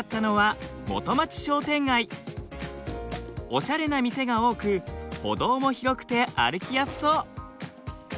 おしゃれな店が多く歩道も広くて歩きやすそう。